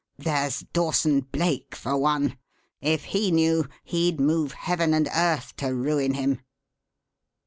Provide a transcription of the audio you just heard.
There's Dawson Blake for one. If he knew, he'd move heaven and earth to ruin him."